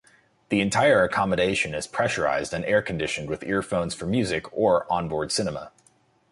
The entire accommodation is pressurised and air-conditioned with earphones for music or on-board cinema.